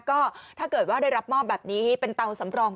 ก็ถ้าเกิดว่าได้รับมอบแบบนี้เป็นเตาสำรอง